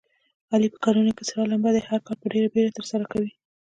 علي په کارونو کې سره لمبه دی. هر کار په ډېره بیړه ترسره کوي.